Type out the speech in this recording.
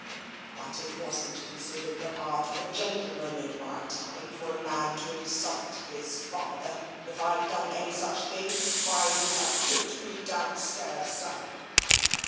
But it wasn't considered the part of a gentleman, in MY time, for a man to insult his father. If I'd done any such thing, mine would have kicked me downstairs, sir."